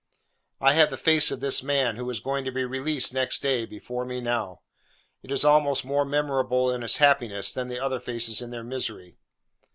I have the face of this man, who was going to be released next day, before me now. It is almost more memorable in its happiness than the other faces in their misery.